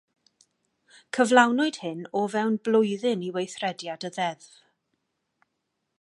Cyflawnwyd hyn o fewn blwyddyn i weithrediad y ddeddf.